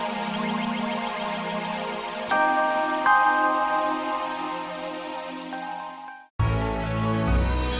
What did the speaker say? ya udah lama gak usah diambil hati